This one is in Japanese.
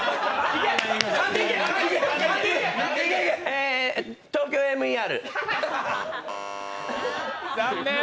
えー、「ＴＯＫＹＯＭＥＲ」。